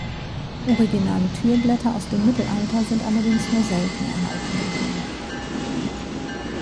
Originale Türblätter aus dem Mittelalter sind allerdings nur selten erhalten geblieben.